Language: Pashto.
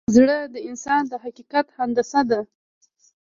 زړه د انسان د حقیقت هندسه ده.